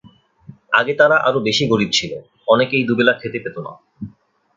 আগে তারা আরও বেশি গরিব ছিল, অনেকেই দুবেলা খেতে পেত না।